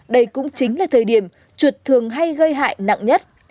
đây cũng chính là thời điểm trượt thường hay gây hại nặng nhất